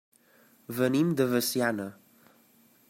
Venim de Veciana.